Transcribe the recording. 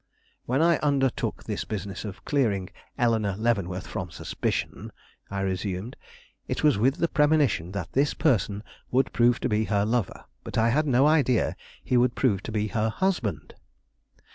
"When I undertook this business of clearing Eleanore Leavenworth from suspicion," I resumed, "it was with the premonition that this person would prove to be her lover; but I had no idea he would prove to be her husband."